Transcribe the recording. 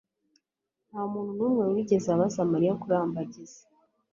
Ntamuntu numwe wigeze abaza Mariya kurambagiza.